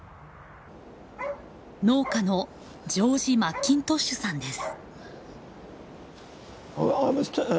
農家のジョージ・マッキントッシュさんです。